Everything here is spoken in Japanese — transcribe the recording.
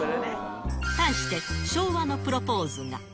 対して、昭和のプロポーズが。